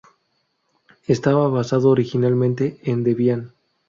Estaba basado originalmente en Debian.